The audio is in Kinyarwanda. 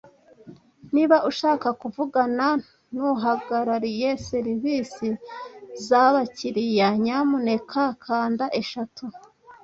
Niba ushaka kuvugana nuhagarariye serivisi zabakiriya, nyamuneka kanda eshatu.